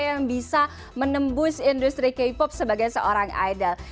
yang bisa menembus industri k pop sebagai seorang idol